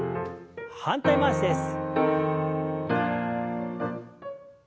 反対回しです。